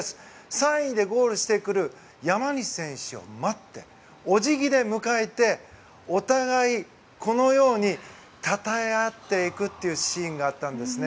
３位でゴールしてくる山西選手を待ってお辞儀で迎えてお互い、このようにたたえ合っていくというシーンがあったんですね。